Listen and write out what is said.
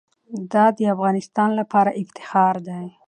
دا د افغانانو لپاره افتخار دی.